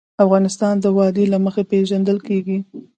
افغانستان د وادي له مخې پېژندل کېږي.